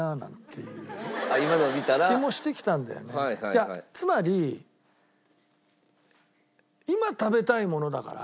いやつまり今食べたいものだから。